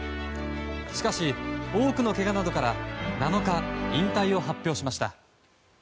しかし、多くのけがなどから７日、引退を発表しました。